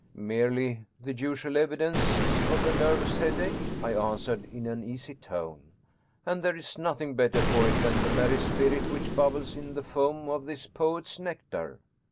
" Merely the usual evi dences of a nervous headache," I answered in an easy tone, " and there is nothing better for it than the merry spirit which bubbles in the foam of this poet's nectar."